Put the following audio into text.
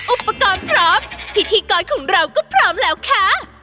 อุปกรณ์พร้อมพิธีกรของเราก็พร้อมแล้วค่ะ